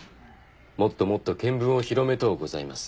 もっともっと見聞を広めとうございます。